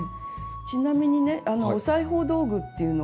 ちなみにねお裁縫道具っていうのはお持ちですか？